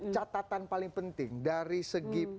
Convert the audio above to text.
catatan paling penting dari segi